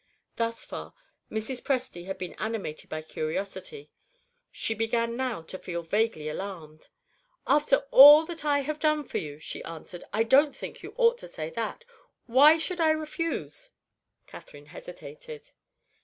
Thus far, Mrs. Presty had been animated by curiosity. She began now to feel vaguely alarmed. "After all that I have done for you," she answered, "I don't think you ought to say that. Why should I refuse?" Catherine hesitated.